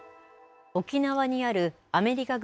沖縄にあるアメリカ軍